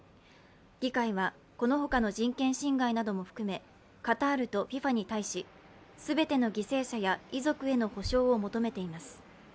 議会は、このほかの人権侵害なども含め、カタールとＦＩＦＡに対し、全ての犠牲者や遺族への補償を求めています。